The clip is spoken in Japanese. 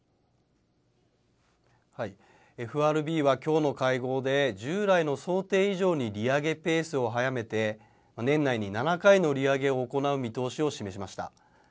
ＦＲＢはきょうの会合で、従来の想定以上に利上げペースを速めて、年内に７回の利上げを行う見通しを示しました。